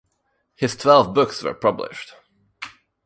His twelve books were published.